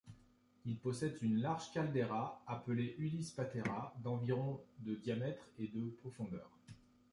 Il possède une large caldeira, appelée Ulysses Patera, d'environ de diamètre et de profondeur.